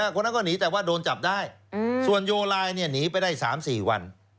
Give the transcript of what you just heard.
คนนั้นก็หนีแต่ว่าโดนจับได้ส่วนโยลายหนีไปได้๓๔วัน